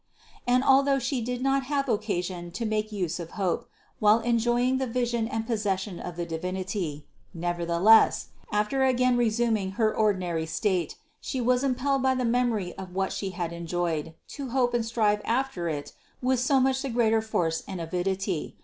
And although She did not have occa sion to make use of hope, while enjoying the vision and possession of the Divinity; nevertheless, after again re suming Her ordinary state, She was impelled by the mem ory of what She had enjoyed, to hope and strive after it with so much the greater force and avidity.